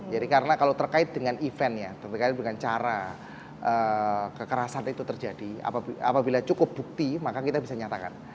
jadi karena kalau terkait dengan eventnya terkait dengan cara kekerasan itu terjadi apabila cukup bukti maka kita bisa nyatakan